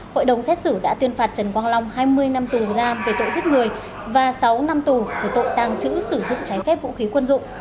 hội đồng xét xử đã tuyên phạt trần quang long hai mươi năm tù giam về tội giết người và sáu năm tù về tội tàng trữ sử dụng trái phép vũ khí quân dụng